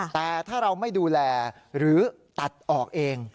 แต่ถ้าเราไม่ดูแลหรือตัดออกเอง